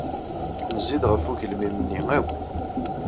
Nezzi-d ɣef ugelmim-nni akk.